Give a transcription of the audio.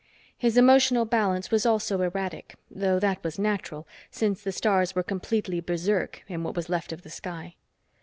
His emotional balance was also erratic though that was natural, since the stars were completely berserk in what was left of the sky.